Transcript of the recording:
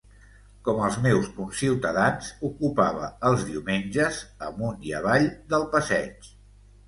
Com els meus conciutadans, ocupava els diumenges amunt i avall del passeig.